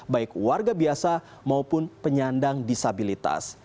baik warga biasa maupun penyandang disabilitas